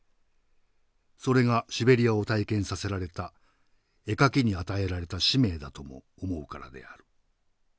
それがシベリヤを体験させられた絵描きに与えられた使命だとも思うからである」。